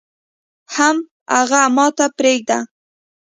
حم اغه ماته پرېده.